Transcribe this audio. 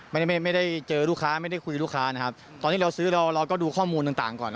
ไม่ได้ไม่ได้เจอลูกค้าไม่ได้คุยลูกค้านะครับตอนที่เราซื้อเราเราก็ดูข้อมูลต่างต่างก่อน